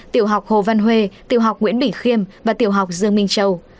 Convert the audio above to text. tiểu học hồ văn huê tiểu học nguyễn bỉ khiêm và tiểu học dương minh châu